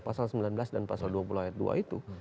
pasal sembilan belas dan pasal dua puluh ayat dua itu